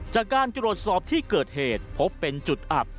จากการตรวจสอบที่เกิดเหตุพบเป็นจุดอับ